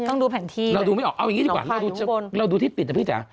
ต้องดูแผนที่เราดูไม่ออกเอาอย่างนี้ดีกว่าเราดูที่ปิดนะพี่จ๋า